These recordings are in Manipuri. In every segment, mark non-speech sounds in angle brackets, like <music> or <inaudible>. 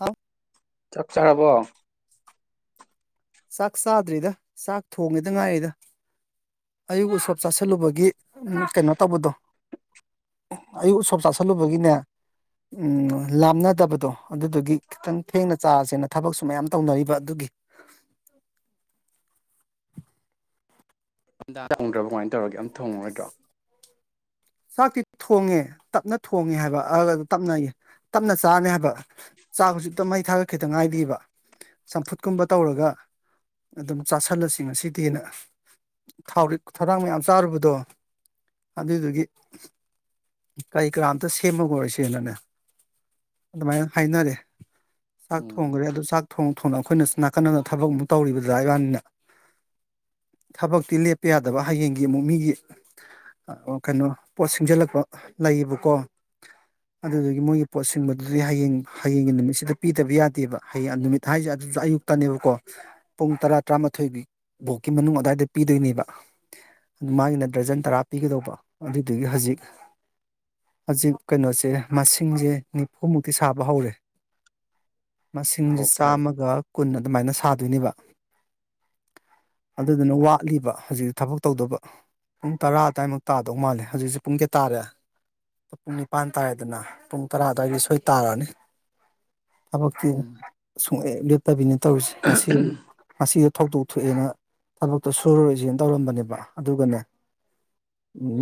ꯑꯧ ꯆꯥꯛ ꯆꯥꯔꯕꯣ ꯆꯥꯛ ꯆꯥꯗ꯭ꯔꯤꯗ ꯆꯥꯛ ꯊꯣꯡꯉꯦꯗ ꯉꯥꯏꯔꯤꯗ ꯑꯌꯨꯛ ꯎꯁꯣꯞ ꯆꯥꯁꯤꯜꯂꯨꯕꯒꯤ ꯀꯩꯅꯣ ꯇꯧꯕꯗꯣ ꯑꯌꯨꯛ ꯎꯁꯣꯞ ꯆꯥꯁꯤꯜꯂꯨꯕꯒꯤꯅꯦ ꯎꯝ ꯂꯥꯞꯅꯗꯕꯗꯣ ꯑꯗꯨꯗꯨꯒꯤ ꯈꯤꯇꯪ ꯊꯦꯡꯅ ꯆꯥꯔꯁꯦꯅ ꯊꯕꯛꯁꯨ ꯃꯌꯥꯝ ꯇꯧꯅꯔꯤꯕ ꯑꯗꯨꯒꯤ ꯇ <inaudible> ꯑꯝꯗꯥꯗ ꯊꯣꯡꯗ꯭ꯔꯕ ꯀꯃꯥꯏꯅ ꯇꯧꯔꯒ ꯑꯗꯨꯝ ꯊꯣꯡꯉꯨꯗ꯭ꯔꯣ ꯆꯥꯛꯇꯤ ꯊꯣꯡꯉꯦ ꯇꯞꯅ ꯊꯣꯡꯉꯦ ꯍꯥꯏꯕ ꯑꯒ ꯇꯞꯅꯌꯦ ꯇꯞꯅ ꯆꯥꯅꯤ ꯍꯥꯏꯕ ꯆꯥꯛ ꯍꯧꯖꯤꯛꯇ ꯃꯩ ꯊꯥꯔꯠ ꯈꯤꯇ ꯉꯥꯏꯗꯑꯕ ꯆꯝꯐꯨꯠꯀꯨꯝꯕ ꯇꯧꯔꯒ ꯑꯗꯨꯝ ꯆꯥꯥꯁꯜꯂꯁꯤ ꯉꯁꯤꯗꯤꯅ ꯊꯔꯤꯛ ꯊꯧꯔꯥꯡ ꯃꯌꯥꯝ ꯆꯥꯔꯨꯕꯗꯣ ꯑꯗꯨꯏꯗꯨꯒꯤ ꯀꯔꯤ ꯀꯔꯥ ꯑꯃꯝꯇ ꯁꯦꯝꯃꯍꯧ ꯔꯁꯦꯅꯅꯦ ꯑꯗꯨꯃꯥꯏꯅ ꯍꯥꯏꯅꯔꯦ ꯆꯥꯛ ꯎꯝ ꯊꯣꯡꯈ꯭ꯔꯦ ꯑꯗꯨ ꯆꯥꯛ ꯊꯣꯡ ꯊꯣꯡꯅ ꯑꯩꯈꯣꯏꯅ ꯅꯥꯀꯟꯗ ꯊꯕꯛ ꯑꯃꯨꯛ ꯇꯧꯔꯤꯕꯗ꯭ꯔꯥ ꯏꯕꯥꯅꯤꯅ ꯊꯕꯛꯇꯤ ꯂꯦꯞꯄ ꯌꯥꯗꯕ ꯍꯌꯦꯡꯒꯤ ꯑꯃꯨꯛ ꯃꯤꯒꯤ ꯑ ꯀꯩꯅꯣ ꯄꯣꯠ ꯁꯤꯡꯖꯜꯂꯛꯄ ꯂꯩꯌꯦꯕꯀꯣ ꯑꯗꯨꯗꯨꯗꯒꯤ ꯃꯣꯏꯒꯤ ꯄꯣꯠ ꯁꯤꯁꯤꯡꯕꯗꯨꯗꯤ ꯍꯌꯦꯡ ꯍꯌꯦꯡꯒꯤ ꯅꯨꯃꯤꯠꯁꯤꯗ ꯄꯤꯗꯕ ꯌꯥꯗꯦꯕ ꯍꯌꯦꯡ ꯅꯨꯃꯤꯠ ꯊꯥꯏꯁꯦ ꯑꯗꯨꯁꯨ ꯑꯌꯨꯛꯇꯅꯦꯕꯀꯣ ꯄꯨꯡ ꯇꯔꯥ ꯇꯔꯥꯃꯥꯊꯣꯏꯒꯤ ꯐꯥꯎꯒꯤ ꯃꯅꯨꯡ ꯑꯗꯨꯋꯥꯏꯗ ꯄꯤꯗꯣꯏꯅꯦꯕ ꯑꯗꯨ ꯃꯥꯒꯤꯅ ꯗꯔꯖꯟ ꯇꯔꯥ ꯄꯤꯒꯗꯧꯕ ꯑꯗꯒꯤ ꯍꯖꯤꯛ ꯍꯧꯖꯤꯛ ꯀꯩꯅꯣꯁꯦ ꯃꯁꯤꯡꯁꯦ ꯅꯤꯐꯨꯃꯨꯛꯇꯤ ꯁꯥꯕ ꯍꯧꯔꯦ ꯃꯁꯤꯡꯁꯦ ꯑꯣ ꯐꯔꯦ ꯆꯥꯝꯃꯒ ꯀꯨꯟ ꯑꯗꯨꯃꯥꯏꯅ ꯁꯥꯗꯣꯏꯅꯦꯕ ꯑꯗꯨꯗꯨꯅ ꯋꯥꯠꯂꯤꯕ ꯍꯧꯖꯤꯛ ꯊꯕꯛ ꯇꯧꯗꯕ ꯄꯨꯡ ꯇꯔꯥ ꯑꯗꯨꯋꯥꯏꯃꯨꯛ ꯇꯥꯗꯧ ꯃꯥꯜꯂꯦ ꯍꯧꯖꯤꯛꯁꯦ ꯄꯨꯡ ꯀꯌꯥ ꯇꯥꯔꯦ ꯄꯨꯡ ꯅꯤꯄꯥꯟ ꯇꯥꯏꯗꯅ ꯄꯨꯡ ꯇꯔꯥ ꯑ ꯑꯗꯨꯋꯥꯏꯒꯤ ꯁꯣꯏ ꯇꯥꯔꯛꯑꯅꯤ ꯊꯕꯛꯇꯤ ꯎꯝ ꯁꯨꯡꯂꯦꯞ ꯂꯦꯞꯇꯕꯤꯅ ꯇꯧꯔꯤꯁꯦ ꯉꯁꯤ ꯃꯁꯤꯗ ꯊꯧꯗꯣꯛ ꯊꯣꯛꯑꯦꯅ ꯊꯕꯛꯇꯣ ꯁꯨꯔꯨꯔꯔꯤꯁꯤꯅ ꯇꯧꯔꯝꯕꯅꯦꯕ ꯑꯗꯨꯒꯅꯦ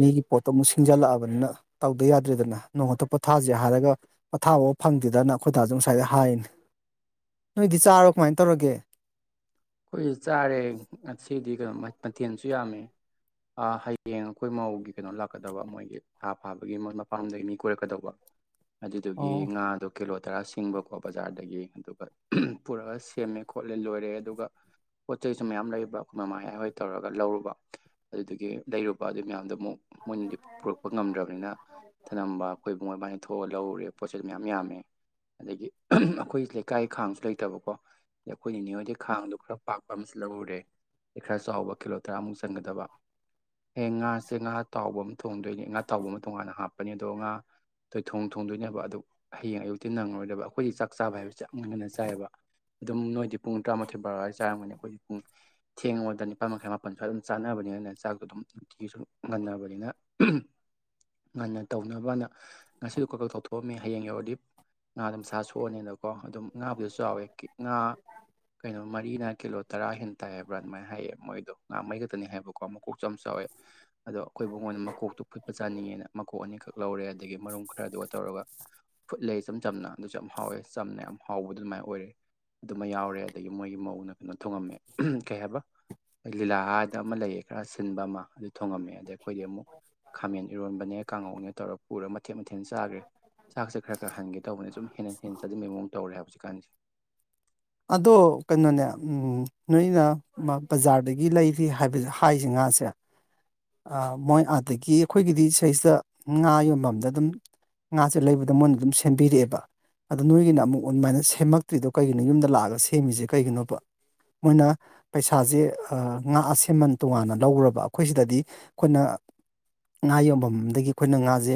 ꯃꯤꯒꯤ ꯄꯣꯠꯇꯣ ꯑꯃꯨꯛ ꯁꯤꯡꯖꯜꯂꯛꯑꯕꯅꯤꯅ ꯇꯧꯗ ꯌꯥꯗ꯭ꯔꯦꯗꯅ ꯅꯣꯡꯍꯨꯇ ꯄꯣꯊꯥꯁꯦ ꯍꯥꯏꯔꯒ ꯄꯊꯥꯕꯥꯎ ꯐꯪꯗꯦꯗꯅ ꯑꯩꯈꯣꯏꯗꯥꯁꯨ ꯉꯁꯥꯏꯗ ꯍꯥꯏꯅꯤ ꯅꯣꯏꯗꯤ ꯆꯥꯔꯣ ꯀꯃꯥꯏꯅ ꯇꯧꯔꯒꯦ ꯑꯩꯈꯣꯏ ꯆꯥꯔꯦ ꯉꯁꯤꯗꯤ ꯀꯩꯅꯣ ꯃꯠ ꯃꯊꯦꯜꯁꯨ ꯌꯥꯝꯃꯦ ꯑ ꯍꯌꯦꯡ ꯑꯩꯈꯣꯏ ꯃꯧꯒꯤ ꯀꯩꯅꯣ ꯂꯥꯛꯀꯗꯕ ꯃꯣꯏꯒꯤ ꯊꯥ ꯐꯥꯕꯒꯤꯣꯏ ꯃꯄꯥꯐꯝꯗꯒꯤ ꯃꯤ ꯀꯣꯏꯔꯛꯀꯗꯧꯕ <inaudible> ꯑꯗꯨꯗꯨꯒꯤ ꯑꯣ ꯉꯥꯗꯣ ꯀꯦꯂꯣꯠ ꯇꯔꯥ ꯁꯤꯡꯕꯀꯣ ꯕꯖꯥꯔꯗꯒꯤ ꯑꯗꯨꯒ ꯄꯨꯔꯛꯒ ꯁꯦꯝꯃꯦ ꯈꯣꯠꯂꯦ ꯂꯣꯏꯔꯦ ꯑꯗꯨꯒ ꯄꯣꯠ ꯆꯩꯁꯨ ꯃꯌꯥꯝ ꯂꯩꯕ ꯃꯃꯥꯌꯥꯏ ꯍꯣꯏ ꯇꯧꯔꯒ ꯂꯧꯔꯨꯕ ꯑꯗꯒꯤ ꯂꯩꯔꯨꯕ ꯑꯗꯨꯏ ꯃꯌꯥꯝꯗꯨ ꯑꯃꯨꯛ ꯃꯣꯏꯅꯗꯤ ꯄꯨꯔꯛꯄ ꯉꯝꯗ꯭ꯔꯕꯅꯤꯅ ꯊꯅꯝꯕ ꯑꯩꯈꯣꯏ ꯃꯣꯏꯕꯥꯥꯏꯅ ꯊꯣꯛꯑꯒ ꯂꯧꯔꯨꯔꯦ ꯄꯣꯠꯁꯤ ꯑꯗꯨ ꯃꯌꯥꯝ ꯌꯥꯝꯃꯦ ꯑꯗꯒꯤ ꯑꯩꯈꯣꯏ ꯂꯩꯀꯥꯏ ꯈꯥꯡꯁꯨ ꯂꯩꯇꯕꯀꯣ ꯑꯗ ꯑꯩꯈꯣꯏꯅꯉꯣꯏꯗꯩ ꯈꯥꯡꯗꯣ ꯈꯔ ꯄꯥꯛꯄ ꯑꯃꯁꯨ ꯂꯧꯔꯔꯦ ꯑ ꯈꯔ ꯆꯥꯎꯕ ꯀꯤꯂꯣ ꯇꯔꯥꯃꯨꯛ ꯆꯪꯒꯗꯕ ꯑꯦ ꯉꯥꯁꯦ ꯉꯥ ꯇꯥꯎꯕ ꯑꯃ ꯊꯣꯡꯗꯣꯏꯅꯦ ꯉꯥ ꯇꯥꯎꯕ ꯑꯃ ꯇꯣꯡꯉꯥꯟꯅ ꯍꯥꯞꯄꯅꯦ ꯑꯗꯣ ꯉꯥ ꯇꯣꯏ ꯊꯣꯡ ꯊꯣꯡꯗꯣꯏꯅꯦꯕ ꯑꯗꯨ ꯍꯌꯦꯡ ꯑꯌꯨꯛꯇꯤ ꯅꯪꯉꯣꯏꯗꯕ ꯑꯩꯈꯣꯏꯗꯤ ꯆꯥꯛ ꯆꯥꯛ ꯆꯥꯕ ꯍꯥꯏꯕꯕꯁꯤꯦ ꯌꯥꯝꯛ ꯉꯟꯅ ꯆꯥꯏꯑꯕ ꯑꯗꯨꯝ ꯅꯣꯏꯗꯤ ꯄꯨꯡ ꯇꯔꯥꯃꯥꯊꯣꯏ ꯕꯥꯔꯋꯥꯏꯗ ꯆꯥꯔꯝꯒꯅꯤ ꯑꯩꯈꯣꯏꯗꯤ ꯄꯨꯡ ꯊꯦꯡꯉꯕꯗ ꯅꯤꯄꯥꯜ ꯃꯈꯥꯏ ꯃꯥꯄꯜꯁꯨꯋꯥꯏ ꯑꯗꯨꯝ ꯆꯥꯟꯅꯕꯅꯤꯅꯅꯦ ꯆꯥꯛꯇꯣꯗꯨꯝ ꯅꯨꯡꯇꯤꯒꯤꯁꯨ ꯉꯟꯅꯕꯅꯤꯅ <inaudible> ꯉꯟꯅ ꯇꯧꯅꯕꯗ ꯉꯁꯤ ꯎꯀꯜꯀꯜ ꯇꯧꯊꯣꯛꯑꯝꯃꯦ ꯍꯌꯦꯡ ꯌꯧꯔꯗꯤ ꯉꯥ ꯗꯣ ꯃꯁꯥ ꯁꯣꯛꯑꯅꯦꯅ ꯀꯣ ꯑꯗꯨꯝ ꯉꯥꯕꯨꯁꯨ ꯆꯥꯎꯋꯦ ꯀꯤ ꯉꯥ ꯀꯩꯅꯣ ꯃꯔꯤꯅ ꯀꯤꯂꯣ ꯇꯔꯥ ꯍꯦꯟ ꯇꯥꯏꯌꯦ ꯍꯥꯏꯕ꯭ꯔꯥ ꯑꯗꯨꯃꯥꯏꯅ ꯍꯥꯏꯌꯦ ꯃꯣꯏꯗꯣ ꯉꯥꯏꯍꯥꯛꯉꯩ ꯈꯛꯇꯅꯤ ꯍꯥꯏꯕꯀꯣ ꯃꯀꯣꯛꯆ ꯆꯥꯎꯋꯦ ꯑꯗꯣ ꯑꯩꯈꯣꯏꯕꯨꯉꯣꯟꯗ ꯃꯀꯣꯛꯇꯨ ꯐꯨꯠꯄ ꯆꯥꯅꯤꯡꯉꯦꯅ ꯃꯀꯣꯛ ꯑꯅꯤꯈꯛ ꯂꯧꯔꯦ ꯑꯗꯒꯤ ꯃꯔꯨꯝ ꯈꯔꯗꯨ ꯇꯧꯔꯒ ꯈꯨꯠ ꯂꯩ ꯁꯝꯅ ꯑꯗꯨꯁꯨ ꯌꯥꯝ ꯍꯥꯎꯋꯦ ꯆꯝꯅ ꯌꯥꯝ ꯍꯥꯎꯕꯗꯨ ꯑꯗꯨꯃꯥꯏꯅ ꯑꯣꯏꯔꯦ ꯑꯗꯨꯃ ꯌꯥꯎꯔꯦ ꯑꯗꯒꯤ ꯃꯣꯏꯒꯤ ꯃꯧꯅ ꯀꯩꯅꯣ ꯊꯣꯡꯉꯝꯃꯦ ꯀꯩ ꯍꯥꯏꯕ ꯂꯤꯂꯥ ꯍꯥꯏꯗ ꯑꯃ ꯂꯩꯌꯦ ꯈꯔ ꯁꯤꯟꯕ ꯑꯃ ꯑꯗꯨ ꯊꯣꯡꯉꯝꯃꯦ ꯑꯗꯩ ꯑꯩꯈꯣꯏꯗꯤ ꯑꯃꯨꯛ ꯈꯥꯃꯦꯟ ꯏꯔꯣꯟꯕꯅꯦ ꯀꯥꯡꯉꯧꯅꯦ ꯇꯧꯔ ꯄꯨꯔ ꯃꯠ ꯀꯩ ꯃꯊꯦꯜ ꯆꯥꯒꯦ ꯆꯥꯛꯁꯦ ꯈꯔ ꯈꯔ ꯍꯟꯒꯦ ꯇꯧꯕꯅꯦ ꯁꯨꯝ ꯍꯦꯟꯅ ꯍꯦꯟꯅ ꯆꯅꯤꯡꯕꯒꯤ ꯃꯑꯣꯡ ꯇꯧꯔꯦ ꯍꯥꯏ ꯍꯧꯖꯤꯛ ꯀꯥꯟꯁꯦ ꯑꯗꯣ ꯀꯩꯅꯣꯅꯦ ꯅꯣꯏꯅ ꯃ ꯕꯖꯥꯔꯗꯒꯤ ꯂꯩꯔꯤ ꯍꯥꯏꯕ ꯍꯥꯏꯁꯦ ꯉꯥꯁꯦ ꯃꯣꯏ ꯑꯗꯒꯤ ꯑꯩꯈꯣꯏꯒꯤꯗꯤ ꯏꯁꯩꯩꯁꯤꯗ ꯉꯥ ꯌꯣꯟꯐꯝꯝꯗ ꯑꯗꯨꯝ ꯉꯥꯁꯦ ꯂꯩꯕꯗ ꯃꯣꯏꯅ ꯑꯗꯨꯝ ꯁꯦꯝꯕꯤꯔꯛꯑꯦꯕ ꯑꯗꯣ ꯅꯣꯏꯒꯤꯅ ꯑꯃꯨꯛ ꯑꯗꯨꯃꯥꯏꯅ ꯁꯦꯝꯃꯛꯇ꯭ꯔꯤꯗꯣ ꯀꯩꯒꯤꯣ ꯌꯨꯝꯗ ꯂꯥꯛꯑꯒ ꯁꯦꯝꯃꯤꯁꯦ ꯀꯩꯒꯤꯅꯣꯕ ꯃꯣꯏꯅ ꯄꯩꯁꯥꯁꯦ ꯉꯥ ꯑꯁꯦꯃꯟ ꯇꯣꯉꯥꯟꯅ ꯂꯧꯈꯔꯕ ꯑꯩꯈꯣꯏ ꯁꯤꯗꯗꯤ ꯑꯩꯈꯣꯏꯅ ꯉꯥ ꯌꯣꯟꯐꯝꯗꯒꯤ ꯑꯩꯈꯣꯏꯅ ꯉꯥꯁꯦ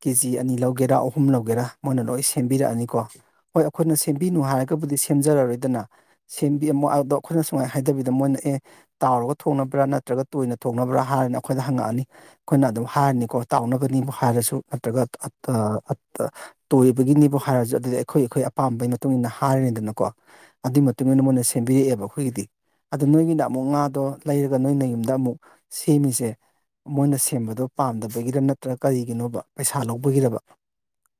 ꯀꯦꯖꯤ ꯑꯅꯤ ꯂꯧꯒꯦꯔꯥ ꯑꯍꯨꯝ ꯂꯧꯒꯦꯔꯥ ꯃꯣꯏꯅ ꯂꯣꯏ ꯁꯦꯝꯕꯤꯔꯛꯑꯅꯤꯀꯣ ꯍꯣꯏ ꯑꯩꯈꯣꯏꯅ ꯁꯦꯝꯕꯤꯅꯨ ꯍꯥꯏꯔꯒꯕꯨꯗꯤ ꯁꯦꯝꯖꯔꯔꯣꯏꯗꯅ ꯁꯦꯝꯕꯤ ꯑꯃꯝꯨꯣ ꯑꯗꯣ ꯑꯩꯈꯣꯏꯅ ꯁꯨꯃꯥꯏꯅ ꯍꯥꯏꯗꯕꯤꯗ ꯃꯣꯏ ꯅꯛꯑꯦ ꯇꯥꯎꯔꯒ ꯊꯣꯡꯅꯕ꯭ꯔꯥ ꯅꯠꯇ꯭ꯔꯒ ꯇꯣꯏꯅ ꯊꯣꯡꯅꯕ꯭ꯔꯥ ꯍꯥꯏꯔꯅ ꯑꯩꯈꯣꯏꯗ ꯍꯪꯉꯛꯑꯅꯤ ꯑꯩꯈꯣꯏꯅ ꯑꯗꯨꯝ ꯍꯥꯏꯔꯅꯤꯀꯣ ꯇꯥꯎꯅꯕꯅꯤꯕꯨ ꯍꯥꯏꯔꯁꯨ ꯅꯠꯇ꯭ꯔꯒ ꯇꯣꯏꯕꯒꯤꯅꯤꯕꯨ ꯍꯥꯏꯔꯁꯨ ꯑꯗꯨꯗꯤ ꯑꯩꯈꯣꯏ ꯑꯩꯈꯣꯏ ꯑꯄꯥꯝꯕꯩ ꯃꯇꯨꯡ ꯏ ꯃꯇꯨꯡꯏꯟꯅ ꯍꯥꯏꯔꯤꯅꯤꯗꯅꯀꯣ ꯑꯗꯨꯏ ꯃꯇꯨꯡ ꯏꯟꯅ ꯃꯣꯏꯅ ꯁꯦꯝꯕꯤꯔꯛꯑꯦꯕ ꯑꯩꯈꯣꯏꯒꯤꯗꯤ ꯑꯗꯨ ꯅꯣꯏꯒꯤꯅ ꯑꯃꯨꯛ ꯉꯥꯗꯣ ꯂꯩꯔꯒ ꯅꯣꯏ ꯅꯌꯨꯝꯗ ꯑꯃꯨꯛ ꯁꯦꯝꯃꯤꯁꯦ ꯃꯣꯏꯅ ꯁꯦꯝꯕꯗꯣ ꯄꯥꯝꯗꯕꯒꯤꯔꯕ ꯅꯠꯇ꯭ꯔꯒ ꯀꯔꯤꯒꯤꯅꯣꯕ ꯄꯩꯁꯥ ꯂꯧꯕꯒꯤꯔꯕ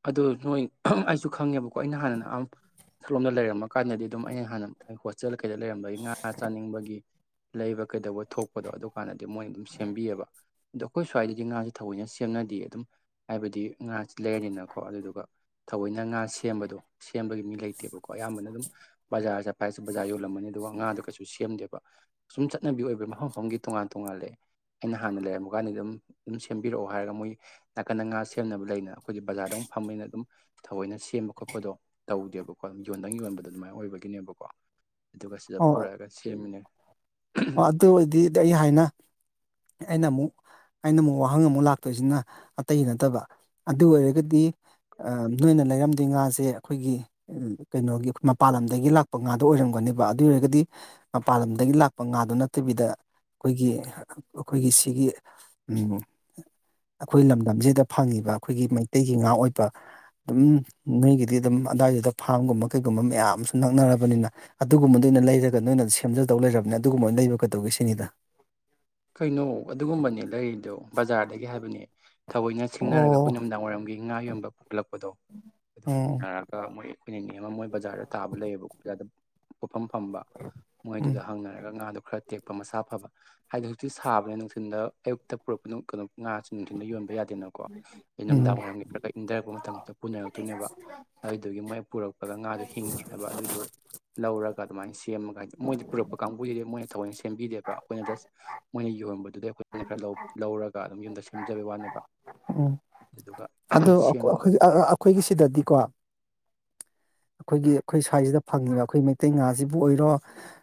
ꯑꯗꯨꯗ ꯅꯣꯏ ꯑꯩꯁꯨ ꯈꯪꯉꯦꯕꯀꯣ ꯑꯩꯅ ꯍꯥꯟꯅꯅꯂꯣꯝꯗ ꯂꯩꯔꯝꯃꯒ ꯀꯥꯟꯗꯗꯤ ꯑꯗꯨꯝ ꯑꯩ ꯍꯥꯟꯅ ꯍꯣꯁꯇꯦꯜ ꯀꯩꯗ ꯂꯩꯔꯝꯕꯒꯤ ꯉꯥ ꯆꯥꯅꯤꯡꯕꯒꯤ ꯂꯩꯕ ꯀꯩꯗꯧꯕ ꯊꯣꯛꯄꯗꯣ ꯑꯗꯨꯀꯥꯟꯗꯗꯤ ꯃꯣꯏꯅ ꯑꯗꯨꯝ ꯁꯦꯝꯕꯤꯑꯕ ꯑꯗꯣ ꯑꯩꯈꯣꯏ ꯁ꯭ꯋꯥꯏꯗꯗꯤ ꯉꯥꯥꯁꯦ ꯊꯑꯣꯏꯅ ꯁꯦꯝꯅꯗꯦ ꯑꯗꯨꯝ ꯍꯥꯏꯕꯗꯤ ꯉꯥꯥꯁ ꯂꯩꯔꯅꯤꯅꯀꯣ ꯀꯣ ꯑꯗꯨꯗꯨꯒ ꯊꯑꯣꯏꯅ ꯉꯥ ꯁꯦꯝꯕꯗꯣ ꯁꯦꯝꯕꯒꯤ ꯃꯤ ꯂꯩꯇꯦꯕꯀꯣ ꯑꯌꯥꯝꯕꯅ ꯑꯗꯨꯝ ꯕꯖꯥꯔ ꯆꯠ ꯍꯥꯏꯕꯁꯨ ꯕꯖꯥꯔ ꯌꯣꯜꯂꯝꯃꯅꯤ ꯑꯗꯨꯒ ꯉꯥꯗꯣ ꯀꯩꯁꯨ ꯁꯦꯝꯗꯦꯕ ꯁꯨꯝ ꯆꯠꯅꯕꯤ ꯑꯣꯏꯕ ꯃꯐꯝ ꯃꯐꯝꯒꯤ ꯇꯣꯉꯥꯟ ꯇꯣꯉꯥꯟꯂꯦ ꯑꯩꯅ ꯍꯥꯟꯅ ꯂꯩꯔꯝꯃꯨ ꯀꯥꯟꯗꯗꯤ ꯑꯗꯨꯝ ꯑꯗꯨꯝ ꯁꯦꯝꯕꯤꯔꯛꯑꯣ ꯍꯥꯏꯔꯒ ꯃꯣꯏ ꯅꯥꯀꯟꯗ ꯉꯥ ꯁꯦꯝꯅꯕ ꯂꯩꯅ ꯑꯩꯈꯣꯏꯒꯤ ꯕꯖꯥꯔꯗ ꯑꯃꯨꯛ ꯐꯝꯕꯅꯤꯅ ꯑꯗꯨꯝ ꯊꯑꯣꯏꯅ ꯁꯦꯝꯕ ꯈꯣꯠꯄꯗꯣ ꯇꯧꯗꯦꯕꯀꯣ ꯌꯣꯟꯗꯪ ꯌꯣꯟꯕꯗꯣ ꯑꯗꯨꯃꯥꯏꯅ ꯑꯣꯏꯕꯒꯤꯅꯦꯕꯀꯣ ꯑꯗꯨꯒ ꯁꯤꯗ ꯑꯣ ꯄꯨꯔꯛꯑꯒ ꯁꯦꯝꯃꯤꯅꯦ ꯑꯗꯨ ꯑꯣꯏꯔꯗꯤꯗꯤ ꯑꯩ ꯍꯥꯏꯅ ꯑꯩꯅ ꯑꯃꯨꯛ ꯍꯥꯏꯅ ꯑꯃꯨꯛ ꯋꯥꯍꯪ ꯑꯃꯨꯛ ꯂꯥꯛꯇꯣꯏꯁꯤꯅ ꯑꯇꯩ ꯅꯠꯇꯕ ꯑꯗꯨ ꯑꯣꯏꯔꯒꯗꯤ ꯑ ꯅꯣꯏꯅ ꯂꯩꯔꯝꯗꯣꯏ ꯉꯥꯁꯦ ꯑꯩꯈꯣꯏꯒꯤ ꯀꯩꯅꯣꯒꯤ ꯃꯄꯥꯟꯂꯝꯗꯒꯤ ꯂꯥꯛꯄ ꯉꯥꯗꯣ ꯑꯣꯏꯔꯝꯒꯅꯦꯕ ꯑꯗꯨ ꯑꯣꯏꯔꯒꯗꯤ ꯃꯄꯥꯟ ꯂꯝꯗꯒꯤ ꯂꯥꯛ ꯄ ꯉꯥꯗꯨ ꯅꯠꯇꯕꯤꯗ ꯑꯩꯈꯣꯏꯒꯤ ꯑꯩꯈꯣꯏꯒꯤ ꯁꯤꯒꯤ ꯎ ꯑꯩꯈꯣꯏ ꯂꯝꯗꯝꯖꯤꯗ ꯐꯪꯉꯤꯕ ꯑꯩꯈꯣꯏꯒꯤ ꯃꯩꯇꯩꯒꯤ ꯉꯥ ꯑꯣꯏꯕ ꯑꯗꯨꯝ ꯅꯣꯏꯒꯤꯗꯤ ꯑꯗꯨꯝ ꯑꯋꯥꯏꯗꯨꯗ ꯐꯥꯝꯒꯨꯝꯕ ꯀꯩꯒꯨꯝꯕ ꯃꯌꯥꯝ ꯑꯃꯁꯨ ꯅꯛꯅꯔꯕꯅꯤꯅ ꯑꯗꯨꯒꯨꯝꯕꯗ ꯑꯣꯏꯅ ꯂꯩꯔꯒ ꯅꯣꯏꯅ ꯁꯦꯝꯖꯗꯧ ꯂꯩꯔꯕꯅꯤ ꯑꯗꯨꯒꯨꯝꯕ ꯑꯣꯏꯅ ꯂꯩꯕ ꯀꯩꯗꯧꯒꯦ ꯁꯤꯅꯤꯗ ꯀꯩꯅꯣ ꯑꯗꯨꯒꯨꯝꯕꯅꯦ ꯂꯩꯔꯤꯗꯣ ꯕꯖꯥꯔꯗꯒꯤ ꯍꯥꯏꯕꯅꯦ ꯊꯑꯣꯏꯅ ꯁꯤꯡꯅꯔꯒ ꯑꯣ ꯑꯩꯈꯣꯏ ꯅꯨꯃꯤꯗꯥꯡ ꯋꯥꯏꯔꯝꯒꯤ ꯉꯥ ꯌꯣꯟꯕ ꯄꯣꯛꯂꯛꯄꯗꯣ ꯑꯗꯨ ꯎꯝ ꯍꯪꯅꯔꯒ ꯃꯣꯏ ꯄꯩꯅꯅꯦ ꯑꯃ ꯃꯣꯏ ꯕꯖꯥꯔꯗ ꯇꯥꯕ ꯂꯩꯌꯦꯕꯀꯣ ꯑꯣꯖꯥꯗ ꯄꯣꯠꯐꯝ ꯐꯝꯕ ꯎꯝ ꯃꯣꯏꯗꯨꯗ ꯍꯪꯅꯔꯒ ꯉꯥꯗꯣ ꯈꯔ ꯇꯦꯛꯄ ꯃꯁꯥ ꯐꯕ ꯍꯥꯏꯗꯤ ꯍꯧꯖꯤꯛꯇꯤ ꯁꯥꯕꯅꯦ ꯅꯨꯡꯊꯤꯟꯗ ꯑꯌꯨꯛꯇ ꯄꯨꯔꯛꯄ ꯀꯅꯣ ꯉꯥꯁꯦ ꯅꯨꯡꯊꯤꯟꯗ ꯌꯣꯟꯕ ꯌꯥꯗꯦ ꯅꯀꯣ ꯑꯩ ꯎꯝ ꯃꯤꯗꯥꯡ ꯋꯥꯏꯔꯝꯒꯤ ꯈ ꯏꯪꯊꯔꯛꯄ ꯃꯇꯝꯗ ꯄꯨꯅꯔꯛꯇꯣꯏꯅꯦꯕ ꯑꯗꯨꯗꯨꯒꯤ ꯃꯣꯏ ꯄꯨꯔꯛ ꯐꯖ ꯉꯥꯗꯣ ꯍꯤꯡꯉꯦ ꯍꯥꯏꯕ ꯑꯗꯨꯗꯨ ꯂꯧꯔꯒ ꯑꯗꯨꯃꯥꯏꯅ ꯁꯦꯝꯃꯒ ꯍꯥꯏꯗꯤ ꯃꯣꯏꯗꯤ ꯄꯨꯔꯛꯄ ꯀꯥꯡꯕꯨꯁꯤꯗꯤ ꯃꯣꯏꯅ ꯊꯑꯣꯏꯅ ꯁꯦꯝꯕꯤꯗꯦꯕ ꯑꯩꯈꯣꯏꯅ ꯗꯖꯁ ꯃꯣꯏ ꯌꯣꯟꯕꯗꯨꯗꯩ ꯑꯩꯈꯣꯏꯅ ꯈꯔ ꯂꯧ ꯂꯧꯔꯒ ꯑꯗꯨꯝ ꯌꯨꯝꯗ ꯁꯦꯝꯖꯕꯩ ꯋꯥꯅꯦꯕ ꯎꯝ ꯑꯗꯨꯒꯗꯨ ꯑꯗꯣ ꯑꯩꯈꯣꯏ ꯑꯩꯈꯣꯏꯒꯤ ꯁꯤꯗꯗꯤꯀꯣ ꯑꯩꯈꯣꯏꯒꯤ ꯑꯩꯈꯣꯏ ꯁ꯭ꯋꯥꯏꯁꯤꯗ ꯐꯪꯉꯤꯕ ꯑꯩꯈꯣꯏ ꯃꯩꯇꯩ ꯉꯥꯁꯤꯕꯨ ꯑꯣꯏꯔꯣ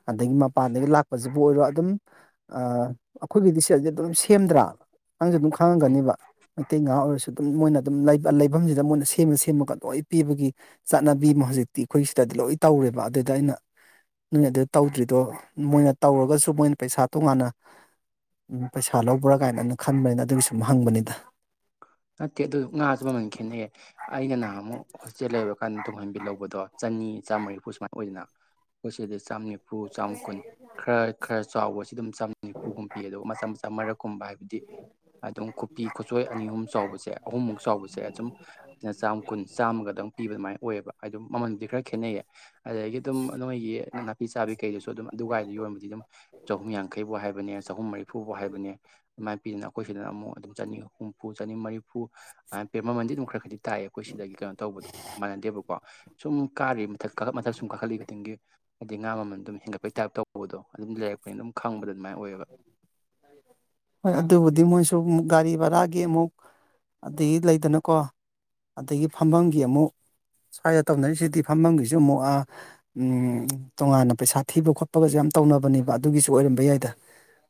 ꯑꯗꯒꯤ ꯃꯄꯥꯟꯗꯒꯤ ꯂꯥꯛꯄꯁꯤꯕꯨ ꯑꯣꯏꯔꯣ ꯑꯗꯨꯝ ꯑ ꯑꯩꯈꯣꯏꯒꯤꯗꯤ ꯁꯦꯠꯁꯦ ꯑꯗꯨꯝ ꯁꯦꯝꯗ꯭ꯔꯥ ꯅꯪꯁꯨ ꯑꯗꯨꯝ ꯈꯪꯉꯝꯒꯅꯦꯕ ꯃꯩꯇꯩ ꯉꯍꯥ ꯑꯣꯏꯔꯁꯨ ꯑꯗꯨꯝ ꯃꯣꯏꯅ ꯑꯗꯨꯝ ꯂꯩꯐꯝꯁꯤꯗ ꯃꯣꯏꯅ ꯁꯦꯝꯃ ꯁꯦꯝꯃꯒ ꯂꯣꯏ ꯄꯤꯕꯒꯤ ꯆꯠꯅꯕꯤ ꯕꯦꯝꯃ ꯍꯧꯖꯤꯛꯇꯤ ꯑꯩꯈꯣꯏꯒꯤ ꯁꯤꯗꯗꯤ ꯂꯣꯏ ꯇꯧꯔꯦꯕ ꯑꯗꯨꯗ ꯑꯩꯅ ꯅꯣꯏ ꯑꯗꯨ ꯇꯧꯗ꯭ꯔꯤꯗꯣ ꯃꯣꯏꯅ ꯇꯧꯔꯒꯁꯨ ꯃꯣꯏꯅ ꯄꯩꯁꯥ ꯇꯣꯉꯥꯟꯅ ꯎꯝ ꯄꯩꯁꯥ ꯂꯧꯕ꯭ꯔꯥ ꯀꯥꯏꯅꯅ ꯈꯟꯕꯅꯤꯅ ꯑꯗꯨꯒꯤ ꯁꯨꯝ ꯍꯪꯕꯅꯤꯗ ꯅꯠꯇꯦ ꯑꯗꯨ ꯉꯥꯁꯨ ꯃꯃꯜ ꯈꯦꯠꯅꯩꯌꯦ ꯑꯩꯅ ꯅꯍꯥꯟ ꯑꯃꯨꯛ ꯍꯣꯁꯇꯦꯜ ꯂꯩꯔ ꯀꯥꯟꯗ ꯇꯨꯡꯍꯟꯕꯤ ꯂꯧꯕꯗꯣ ꯆꯅꯤ ꯆꯥꯝꯃꯔꯤꯐꯨ ꯁꯨꯃꯥꯏꯅ ꯑꯣꯏꯗꯅ ꯑꯩꯈꯣꯏ ꯁꯤꯗ ꯆꯥꯝꯃ ꯅꯤꯐꯨ ꯆꯥꯝ ꯀꯨꯟ ꯈꯔ ꯈꯔ ꯆꯥꯎꯕꯁꯤ ꯑꯗꯨꯝ ꯆꯥꯝꯃ ꯅꯤꯐꯨꯒꯨꯝ ꯄꯤ ꯑꯗꯨꯒ ꯃꯆꯥ ꯃꯆꯥ ꯃꯔꯛꯀꯨꯝꯕ ꯍꯥꯏꯕꯗꯤ ꯑꯗꯨꯝ ꯈꯨꯄꯤ ꯈꯨ ꯑꯅꯤ ꯑꯍꯨꯝ ꯆꯥꯎꯕꯁꯦ ꯑꯍꯨꯝꯃꯨꯛ ꯆꯥꯎꯕꯁꯦ ꯑꯁꯨꯝ ꯁꯤꯅ ꯆꯥꯝꯃ ꯀꯨꯟ ꯆꯥꯝꯃ ꯒꯗꯪ ꯄꯤꯕ ꯑꯗꯨꯃꯥꯏꯅ ꯑꯣꯏꯌꯦꯕ ꯍꯥꯏꯗꯤ ꯑꯗꯨꯝ ꯃꯃꯜꯗꯤ ꯈꯔ ꯈꯦꯠꯅꯩꯌꯦ ꯑꯗꯒꯤ ꯑꯗꯨꯝ ꯅꯣꯏꯒꯤ ꯅꯥꯄꯤ ꯆꯥꯕꯤ ꯀꯩꯗꯨꯁꯨ ꯑꯗꯨꯝ ꯑꯗꯨꯋꯥꯥꯏꯗ ꯌꯣꯟꯕꯗꯤ ꯑꯗꯨꯝ ꯆꯍꯨꯝ ꯌꯥꯡꯈꯩꯕꯨ ꯍꯥꯏꯕꯅꯦ ꯆꯍꯨꯝ ꯃꯔꯤꯐꯨꯕꯨ ꯍꯥꯏꯕꯅꯦ ꯑꯗꯨꯃꯥꯏꯅ ꯄꯤꯗꯅ ꯑꯩꯈꯣꯏ ꯁꯤꯗꯅ ꯑꯃꯨꯛ ꯑꯗꯨꯝ ꯆꯅꯤꯍꯨ ꯍꯨꯝꯐꯨ ꯆꯅꯤ ꯃꯔꯤꯐꯨ ꯦ ꯃꯃꯟꯗꯤ ꯑꯗꯨꯝ ꯈꯔ ꯈꯗꯤ ꯇꯥꯛꯑꯦ ꯑꯩꯈꯣꯏ ꯁꯤꯗꯒꯤ ꯀꯩꯅꯣ ꯇꯧꯕꯗꯣ ꯃꯥꯟꯅꯗꯦꯕꯀꯣ ꯁꯨꯝ ꯀꯥꯔꯤ ꯃꯊꯛ ꯀꯥꯈꯠ ꯃꯊꯛ ꯁꯨꯝ ꯀꯥꯈꯠꯂꯤ ꯈꯨꯇꯡꯒꯤ ꯍꯥꯏꯗꯤ ꯉꯥ ꯃꯃꯜ ꯑꯗꯨꯝ ꯍꯦꯟꯒꯠꯄꯒꯤ ꯇꯥꯏꯞ ꯇꯧꯕꯗꯣ ꯑꯗꯨꯝ ꯂꯩꯔꯛꯄꯅꯤ ꯑꯗꯨꯝ ꯈꯪꯕꯗ ꯑꯗꯨꯃꯥꯏ ꯑꯣꯏꯑꯌꯦꯕ <inaudible> ꯍꯣꯏ ꯑꯗꯨꯕꯨꯗꯤ ꯃꯣꯏꯁꯨ ꯒꯥꯔꯤ ꯕꯔꯥꯒꯤ ꯑꯃꯨꯛ ꯑꯗꯒꯤ ꯂꯩꯗꯅꯀꯣ ꯑꯗꯒꯤ ꯐꯝꯝꯕꯒꯤ ꯑꯃꯨꯛ ꯁ꯭ꯋꯥꯏꯗ ꯇꯧꯅꯔꯤꯁꯤꯗꯤ ꯐꯝꯝꯕꯒꯤꯁꯨ ꯑꯃꯨꯛ ꯎꯝ ꯇꯣꯉꯥꯟꯅ ꯄꯩꯁꯥ ꯊꯤꯕ ꯈꯣꯠꯄꯒꯁꯨ ꯌꯥꯝ ꯇꯧꯅꯕꯅꯦꯕ ꯑꯗꯨꯒꯤꯁꯨ ꯑꯣꯏꯔꯝꯕ ꯌꯥꯏꯗ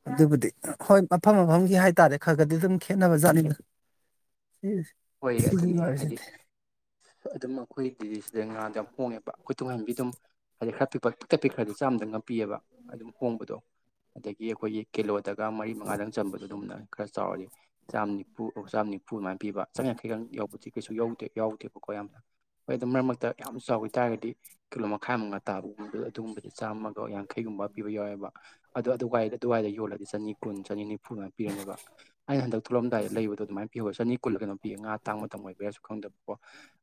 ꯑꯗꯨꯕꯨꯗꯤ ꯍꯣꯏ ꯃꯐꯝ ꯃꯐꯝꯒꯤ ꯍꯥꯏꯇꯥꯔꯦ ꯈꯔ ꯈꯔꯗꯤ ꯑꯗꯨꯝ ꯈꯦꯠꯅꯕꯖꯥꯠꯅꯤꯗ ꯑꯤꯁ ꯍꯣꯏ ꯑꯗꯨꯅꯦ ꯍꯥꯏꯗꯤ ꯑꯗꯨꯝ ꯑꯩꯈꯣꯏ ꯗꯤꯗꯤ ꯁꯤꯗ ꯉꯔꯥꯡꯗ ꯌꯥꯝ ꯍꯣꯡꯉꯦꯕ ꯑꯩꯈꯣꯏ ꯇꯨꯡꯍꯟꯕꯤ ꯑꯗꯨꯝ ꯍꯥꯏꯗꯤ ꯈꯔ ꯄꯤꯛꯄ ꯄꯤꯛꯛꯇꯛ ꯄꯤꯛ ꯈꯔꯗꯤ ꯆꯥꯝꯗ ꯉꯝꯄꯤꯑꯕ ꯑꯗꯨꯝ ꯍꯣꯡꯕꯗꯣ ꯑꯗꯒꯤ ꯑꯩꯈꯣꯏꯒꯤ ꯀꯤꯂꯣꯗꯒ ꯃꯔꯤ ꯃꯉꯥꯗꯪ ꯆꯟꯕꯗꯣ ꯑꯗꯨꯝꯅ ꯈꯔ ꯆꯥꯎꯔꯗꯤ ꯆꯥꯝꯃꯅꯤ ꯄꯨꯨ ꯆꯥꯝ ꯅꯤꯐꯨ ꯑꯗꯨꯃꯥꯏꯅ ꯄꯤꯕ ꯆꯥꯝꯃ ꯌꯥꯡꯈꯩ ꯑꯪ ꯌꯥꯎꯕꯗꯤ ꯀꯩꯁꯨ ꯌꯧꯗꯦ ꯌꯥꯎꯗꯦꯕꯀꯣ ꯌꯥꯝꯅ ꯍꯣꯏ ꯑꯗꯨ ꯃꯔꯛ ꯃꯔꯛꯇ ꯌꯥꯝ ꯆꯥꯎꯋ ꯇꯥꯔꯒꯗꯤ ꯀꯤꯂꯣ ꯃꯈꯥꯏꯃꯨꯉꯥ ꯇꯥꯕꯒꯨꯝꯕꯗ ꯑꯗꯨꯒꯨꯝꯕꯗꯤ ꯆꯥꯝꯃ ꯑꯣ ꯌꯥꯡꯈꯩꯒꯨꯝꯕ ꯄꯤꯕ ꯌꯥꯎꯋꯦꯕ ꯑꯗꯣ ꯑꯗꯨꯋꯥꯏꯗ ꯑꯗꯨꯋꯥꯏꯗ ꯌꯣꯜꯂ ꯆꯅꯤ ꯀꯨꯟ ꯆꯅꯤꯐꯨ ꯑꯗꯨꯥꯏꯅ ꯄꯤꯔꯅꯦꯕ ꯑꯩꯅ ꯍꯟꯗꯛ ꯊꯣꯛꯂꯂꯝꯑꯗꯥꯏ ꯂꯩꯗꯣ ꯑꯗꯨꯃꯥꯏꯅ ꯄꯤꯧ ꯆꯅꯤ ꯀꯨꯜꯂꯒꯅꯣ ꯅꯨꯄꯤ ꯉꯥ ꯇꯥꯡꯕ ꯃꯇꯝ ꯑꯣꯏꯕ ꯌꯥꯥꯁꯨ ꯈꯪꯗꯕ ꯀ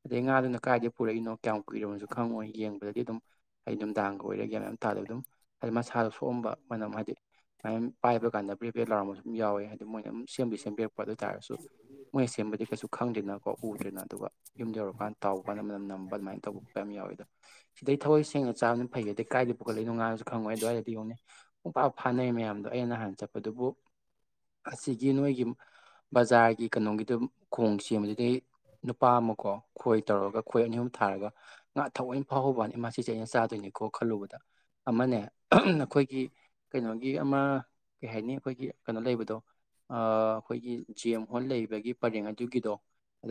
ꯑꯗꯩ ꯉꯥꯗꯨꯅ ꯀꯥꯏꯗꯒꯤ ꯄꯨꯔꯛꯏꯅꯣ ꯀꯌꯥꯝ ꯀꯨꯏꯔꯕꯅꯁꯨ ꯈꯪꯉꯣꯏ ꯌꯦꯡꯕꯗꯗꯤ ꯑꯗꯨꯝ ꯑꯩ ꯅꯨꯡꯗꯥꯡꯒ ꯑꯣꯏꯔꯦ ꯒ꯭ꯌꯟ ꯑꯝ ꯇꯗꯦ ꯑꯗꯨꯝ ꯍꯥꯏꯗꯤ ꯃꯁꯥꯗꯣ ꯁꯣꯛꯑꯝꯕ ꯃꯅꯝ ꯍꯥꯏꯗꯤ ꯄꯦꯝ ꯄꯥꯏꯕ ꯀꯥꯟꯗ ꯄꯦꯠꯄꯦꯠ ꯂꯥꯎꯕ ꯁꯨꯝ ꯌꯥꯎꯋꯦ ꯍꯥꯏꯗꯤ ꯃꯣꯏꯅ ꯑꯝ ꯁꯦꯝꯕꯤ ꯁꯦꯝꯕꯤꯔꯛꯄ ꯑꯗꯨ ꯑꯣꯏ ꯇꯥꯔꯁꯨ ꯃꯣꯏꯅ ꯁꯦꯝꯕꯗꯤ ꯀꯩꯁꯨ ꯈꯪꯗꯦꯅꯀꯣ ꯎꯗ꯭ꯦꯅ ꯑꯗꯨꯒ ꯌꯨꯝꯗ ꯌꯧꯔꯛꯀꯥꯟꯗ ꯇꯥꯎꯕ ꯀꯥꯟꯗ ꯃꯇꯝꯅ ꯅꯝꯕ ꯑꯗꯨꯃꯥꯏ ꯇꯧꯕ ꯈꯣꯠꯄ ꯌꯥꯝ ꯌꯥꯎꯋꯦꯗ ꯁꯤꯗꯩ ꯊꯋꯥꯣꯏ ꯁꯦꯡꯅ ꯆꯥꯅ ꯐꯩ ꯑꯗ ꯀꯥꯏꯗꯤ ꯄꯨꯈꯠꯂꯛꯏꯣꯉꯅꯁꯨ ꯈꯪꯉꯣꯏ ꯑ ꯑꯗꯨꯋꯥꯏꯗꯤ ꯌꯦꯡꯉꯅꯦ ꯄꯨꯡ ꯐꯥ ꯐꯥꯅꯩ ꯃꯌꯥꯝꯗꯣ ꯑꯩꯅ ꯅꯍꯥꯟ ꯆꯠꯄꯗꯨꯕꯨ ꯑꯁꯤꯒꯤ ꯅꯣꯏꯒꯤ ꯕꯖꯥꯔꯒꯤ ꯀꯩꯅꯣꯒꯤꯗꯨ ꯈꯣꯡ ꯁꯦꯝꯕꯗꯨꯗꯩ ꯅꯨꯄꯥ ꯑꯃꯀꯣ ꯈꯣꯏ ꯇꯧꯔꯒ ꯈꯣꯏ ꯑꯅꯤ ꯑꯍꯨꯝ ꯊꯥꯔꯒ ꯉꯥ ꯊꯑꯣꯏꯅ ꯐꯥꯎꯍꯧꯕꯅꯤ ꯃꯥꯁꯦ ꯑꯩꯅ ꯆꯥꯗꯣꯏꯅꯦꯀꯣ ꯈꯜꯂꯨꯕꯗ ꯑꯃꯅꯦ ꯅꯈꯣꯏꯒꯤ ꯀꯩꯅꯣꯒꯤ ꯑꯃ ꯀꯩ ꯍꯥꯏꯅꯤ ꯑꯩꯈꯣꯏꯒꯤ ꯀꯩꯅꯣ ꯂꯩꯕꯗꯣ ꯑꯩꯈꯣꯏꯒꯤ ꯖꯤ ꯑꯦꯝ ꯍꯣꯜ ꯂꯩꯕꯒꯤ ꯄꯔꯦꯡ ꯑꯗꯨꯒꯤꯗꯣ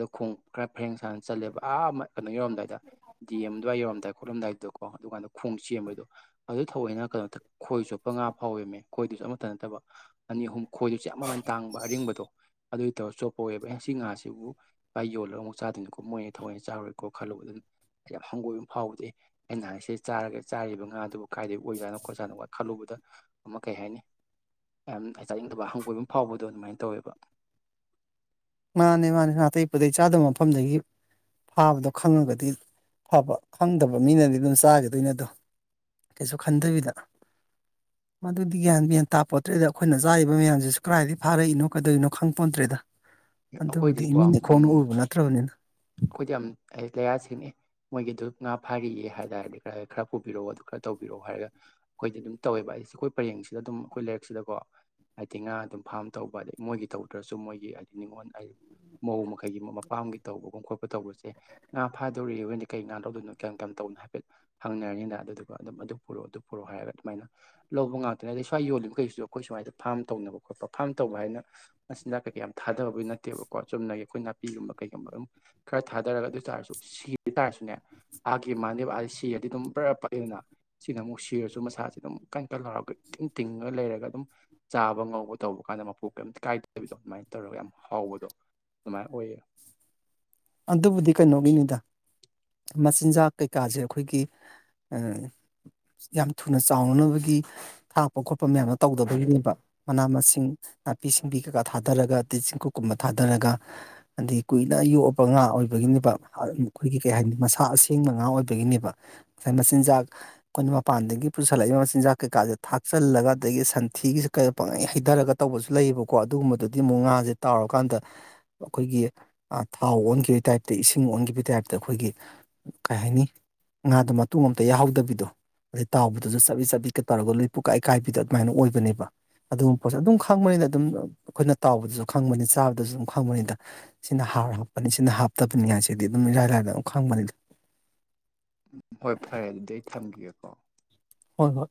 ꯑꯣ ꯈꯣꯡ ꯈꯔ ꯐꯩꯅ ꯁꯥꯡꯅ ꯆꯜꯂꯦꯕ ꯑꯥ ꯑꯃ ꯀꯩꯅꯣ ꯌꯧꯔꯝꯗꯥꯏꯗ ꯗꯤ ꯑꯦꯝ ꯑꯗꯨꯋꯥꯏ ꯌꯧꯔꯝꯗꯥꯏ ꯈꯣꯠꯂꯝꯗꯥꯏꯗꯣ ꯀꯣ ꯑꯗꯨꯀꯥꯟꯗ ꯈꯣꯡ ꯆ ꯁꯦꯝꯕꯩꯗꯣ ꯑꯗꯨ ꯊꯑꯣꯏꯅ ꯀꯅꯣ ꯈꯣꯏ ꯆꯣꯞꯄ ꯉꯥ ꯐꯥꯍꯧꯌꯦꯃꯦ ꯈꯣꯏꯗꯨꯁꯨ ꯑꯃꯠꯇ ꯅꯠꯇꯕ ꯑꯅꯤ ꯑꯍꯨꯝ ꯈꯣꯏꯗꯨ ꯆꯞ ꯃꯃꯜ ꯇꯥꯡꯕ ꯑꯔꯤꯡꯕꯗꯣ ꯑꯗꯨꯏ ꯇꯧꯔ ꯆꯣꯞꯄ ꯑꯣꯏꯦꯕ ꯑꯩꯅ ꯁꯤ ꯉꯥꯁꯤꯕꯨ ꯚꯥꯏ ꯌꯣꯜꯂꯒ ꯑꯃꯨꯛ ꯆꯥꯗꯣꯏꯅꯤꯀꯣ ꯃꯣꯏ ꯊꯋꯣꯏꯅ ꯆꯥꯔꯔꯣꯏꯀꯣ ꯈꯜꯂꯨꯕꯗ ꯑꯗꯨꯝ ꯌꯥꯝ ꯍꯪꯒꯣꯏꯕ ꯐꯥꯎꯕꯗꯦ ꯑꯩ ꯅꯍꯥꯟꯁꯤ ꯆꯥꯔꯒ ꯆꯥꯔꯤꯕ ꯉꯥꯗꯨꯕꯨ ꯀꯥꯏꯗꯒꯤ ꯑꯣꯏꯖꯥꯠꯅꯣ ꯈꯣꯠꯖꯥꯅꯣ ꯈꯜꯂꯨꯕꯗ ꯑꯃ ꯀꯩ ꯍꯥꯏꯅꯤ ꯌꯥꯝ ꯑꯆꯥꯅꯤꯡꯗꯕ ꯍꯪꯒꯣꯏꯕ ꯐꯥꯎꯕꯗꯣ ꯑꯗꯨꯃꯥꯏꯅ ꯇꯧꯋꯦꯕ ꯃꯥꯅꯦ ꯃꯥꯅꯦ ꯅꯥꯇꯩ ꯄꯗꯩ ꯆꯥꯗꯕ ꯃꯐꯝꯗꯒꯤ ꯐꯥꯕꯗꯣ ꯈꯪꯉꯒꯗꯤ ꯐꯕ ꯈꯪꯗꯕ ꯃꯤꯅꯗꯤ ꯑꯗꯨꯝ ꯆꯥꯒꯤꯗꯣꯏꯅꯤ ꯑꯗꯣ ꯀꯩꯁꯨ ꯈꯟꯗꯕꯤꯗ ꯃꯗꯨꯗꯤ ꯒ꯭ꯌꯥꯟ ꯃꯦꯟ ꯇꯥꯄꫭꯟꯇꫪꯦꯗ ꯑꯩꯈꯣꯏꯅ ꯆꯥꯔꯤꯕ ꯃꯌꯥꯝꯖꯤꯁꯨ ꯀꯗꯥꯏꯗꯒꯤ ꯐꯥꯔꯛꯏꯅꯣ ꯀꯩꯗꯧꯅꯣ ꯈꯪꯄꫭꯟꯇ꯭ꫪꯦꯗ ꯑꯗꯨꯕꯨꯗꯤ ꯑꯩꯈꯣꯏꯗꯤꯀꯣ ꯏꯃꯤꯠꯅꯥ ꯏꯈꯣꯡꯅ ꯎꯔꯨꯕ ꯅꯠꯇ꯭ꯔꯕꯅꯤꯅ ꯑꯩꯈꫭꯏꯗꯤ ꯌꯥꯝ ꯂꯌꯥꯁꯦꯝꯃꯤ ꯃꯣꯏꯒꯤꯗꯨ ꯉꯥ ꯐꯥꯔꯤꯌꯦ ꯍꯥꯏꯔꯛꯑꯗꯤ ꯈꯔ ꯄꯨꯕꯤꯔꯛꯑꯣ ꯑꯗꯨ ꯈꯔ ꯇꯧꯕꯤꯔꯛꯑꯣ ꯍꯥꯏꯔꯒ ꯑꯩꯈꯣꯏꯗꯤ ꯑꯗꯨꯝ ꯇꯧꯋꯦꯕ ꯑꯩꯁꯦ ꯑꯩꯈꯣꯏ ꯄꯔꯦꯡꯁꯤꯗ ꯑꯗꯨꯝ ꯑꯩꯈꯣꯏ ꯂꯩꯔꯛꯁꯤꯗꯀꯣ ꯍꯥꯏꯗꯤ ꯉꯥ ꯑꯗꯨꯝ ꯐꯥꯝ ꯇꯧꯕ ꯑꯗꯩ ꯃꯣꯏꯒꯤ ꯇꯧꯗ꯭ꯔꯁꯨ ꯃꯣꯏꯒꯤ ꯍꯥꯏꯗꯤ ꯅꯤꯉꯣꯟ ꯑꯩ ꯃꯧ ꯃꯈꯩꯒꯤ ꯃꯄꯥꯝꯒꯤ ꯇꯧꯕꯒꯨꯝ ꯈꯣꯠꯄ ꯇꯧꯕꯁꯦ ꯉꯥ ꯐꯥꯗꯣꯔꯤ‌ ꯑꯩꯈꫭꯏ ꯀꯩ ꯉꯥ ꯂꯧꯗꫭꯏꯅꯣ ꯀꯌꯥꯝ ꯀꯌꯥꯝ ꯇꯧꯅꯣ ꯍꯥꯏꯐꯦꯠ ꯍꯪꯅꯔꯅꯤꯗ ꯑꯗꯨꯗꯨꯒ ꯑꯗꯨꯝ ꯑꯗꯨ ꯄꯨꯔꯛꯑꯣ ꯑꯗꯨ ꯄꯨꯔꯛꯑꯣ ꯍꯥꯏꯔꯒ ꯑꯗꯨꯃꯥꯏꯅ ꯂꯧꯕ ꯉꯥꯛꯇꯅꯦ ꯑꯗꯩ ꯁ꯭ꯋꯥꯏ ꯌꯣꯜꯂꯤꯕꯈꯩꯁꯨ ꯑꯩꯈꯣꯏ ꯁꯨꯃꯥꯏꯗ ꯐꯥꯝ ꯇꯧꯅꯕ ꯈꯣꯠꯄ ꯐꯥꯔꯝ ꯇꯧꯕ ꯍꯥꯏꯅ ꯃꯆꯤꯟꯖꯥꯛ ꯀꯩꯀ ꯌꯥꯝ ꯊꯥꯗꯕꯕꯨ ꯅꯠꯇꯦꯕꯀꯣ ꯆꯨꯝꯅꯒꯤ ꯑꯩꯈꯣꯏ ꯅꯥꯄꯤꯒꯨꯝꯕ ꯀꯩ ꯑꯗꯨꯝ ꯈꯔ ꯊꯥꯗꯔꯒ ꯑꯗꯨ ꯑꯣꯏꯇꯥꯔꯁꯨ ꯁꯤꯒꯤꯇꯥꯥꯔꯁꯨꯅꯦ ꯑꯥꯒꯤ ꯃꯥꯅꯦ ꯁꯤꯔꯗꯤ ꯑꯗꯨꯝ ꯕꯔꯥ ꯄꯠꯂꯤꯗꯅ ꯁꯤꯅ ꯑꯃꯨꯛ ꯁꯤꯔꯁꯨ ꯃꯁꯁꯦ ꯑꯗꯨꯝ ꯀꯟ ꯀꯟ ꯂꯥꯎꯔꯒ ꯏꯇꯤꯡ ꯇꯤꯡꯉꯥ ꯂꯩꯔꯒ ꯑꯗꯨꯝ ꯆꯥꯕ ꯉꯧꯕ ꯇꯧꯕ ꯀꯥꯟꯗ ꯃꯄꯨ ꯀꯩꯝꯇ ꯀꯥꯏꯗꯕꯤꯗꯣ ꯑꯗꯨꯃꯥꯏꯅ ꯇꯧꯔꯒ ꯌꯥꯝ ꯍꯥꯎꯕꯗꯣ ꯑꯗꯨꯃꯥꯏꯅ ꯑꯣꯏꯌꯦ ꯑꯗꯨꯕꯨꯗꯤ ꯀꯩꯅꯣꯒꯤꯅꯤꯗ ꯃꯆꯤꯟꯖꯥꯛ ꯀꯩꯀꯥꯖꯦ ꯑꯩꯈꯣꯏꯒꯤ ꯌꯥꯝ ꯊꯨꯅ ꯆꯥꯎꯅꯅꯕꯒꯤ ꯊꯥꯛꯄ ꯈꯣꯠꯄ ꯃꯌꯥꯝꯗꯣ ꯇꯧꯗꯕꯒꯤꯅꯦꯕ ꯃꯅꯥ ꯃꯁꯤꯡ ꯅꯥꯄꯤ ꯁꯤꯡꯕꯤ ꯀꯩꯀꯥ ꯊꯥꯗꯔꯒ ꯑꯇꯩ ꯆꯤꯡꯀꯨꯞ ꯀꯨꯝꯕ ꯊꯥꯗꯔꯒ ꯑꯗꯩ ꯀꯣꯏꯅ ꯌꯣꯛ ꯉꯥ ꯑꯣꯏꯕꯒꯤꯅꯦꯕ ꯑꯩꯈꯣꯏꯒꯤ ꯀꯩ ꯍꯥꯏꯅꯤ ꯃꯁꯥ ꯑꯁꯦꯡꯕ ꯉꯥ ꯑꯣꯏꯕꯒꯤꯅꯦꯕ ꯉꯁꯥꯏ ꯃꯆꯤꯟꯖꯥꯛ ꯑꯩꯈꯣꯏꯅ ꯃꯄꯥꯟꯗꯒꯤ ꯄꯨꯁꯜꯂꯛꯏꯕ ꯃꯆꯤꯟꯖꯥꯛ ꯀꯩꯀꯥꯁꯦ ꯊꯥꯛꯆꯜꯂꯒ ꯑꯗꯒꯤ ꯁꯟꯊꯤꯒꯥ ꯁꯦ ꯀꯩꯅꫭ ꯄꯪꯉꯩ ꯍꯩꯗꯔꯒ ꯇꯧꯕꯁꯨ ꯂꯩꯌꯦꯕꯀꯣ ꯑꯗꯨꯒꯨꯝꯕꯗꯨꯗꯤ ꯑꯃꯨꯛ ꯉꯥꯁꯦ ꯇꯥꯎꯔꯀꯥꯟꯗ ꯑꯩꯈꯣꯏꯒꯤ ꯊꯥꯎ ꯑꯣꯟꯈꯤꯕꯒꯤ ꯇꯥꯏꯞꯇ ꯏꯁꯤꯡ ꯑꯣꯟꯈꯤꯕꯒꯤ ꯇꯥꯏꯞꯇ ꯑꯩꯈꯣꯏꯒꯤ ꯀꯩ ꯍꯥꯏꯅꯤ ꯉꯥꯗꯣ ꯃꯇꫭꯡ ꯑꯝꯇ ꯌꯥꯍꯧꯗꯕꯤꯗꯣ ꯑꯗꯩ ꯇꯥꯎꯕꯗꯁꯨ ꯆꯥꯕꯤꯠ ꯆꯥꯕꯤꯠꯀ ꯇꯧꯔꯒ ꯂꯣꯏ ꯄꯨꯀꯥꯏ ꯀꯥꯏꯕꯤꯗ ꯑꯗꯨꯃꯥꯏꯅ ꯑꯣꯏꯕꯅꯦꯕ ꯑꯗꯨꯒꯨꯝꯕ ꯄꯣꯠꯁꯛ ꯑꯗꯨꯝ ꯈꯪꯕꯅꯤꯅ ꯑꯗꯨꯝ ꯑꯩꯈꯣꯏꯅ ꯇꯥꯎꯕꯗꯁꯨ ꯈꯪꯕꯅꯤꯅ ꯆꯥꯕꯗꯁꯨ ꯑꯗꯨꯝ ꯈꯪꯕꯅꯤꯗ ꯁꯤꯅ ꯍꯥꯔ ꯍꯥꯞꯄꯅꯤ ꯁꯤꯅ ꯍꯥꯞꯇꯕꯅꯤ ꯍꯥꯏꯁꯤꯗꯤ ꯑꯗꯨꯝ ꯏꯔꯥꯏ ꯂꯥꯏꯅ ꯑꯗꯨꯝ ꯈꯪꯕꯅꯤ ꯍꯣꯏ ꯐꯔꯦ ꯑꯗꯨꯗꯤ ꯑꯩ ꯊꯝꯒꯤꯒꯦꯀꯣ ꯍꯣꯏ ꯍꯣꯏ